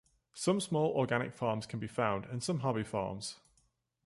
Some small organic farms can be found and some hobby farms.